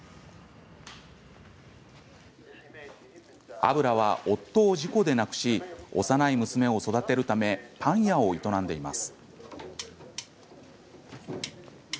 アブラは夫を事故で亡くし幼い娘を育てるためパン屋を営んでいます。